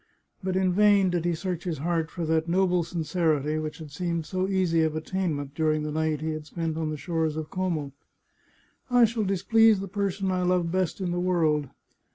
But in vain did he search his heart for that noble sincerity which had seemed so easy of attainment during the night he had spent on the shores of Como. " I shall displease the person I love best in the world.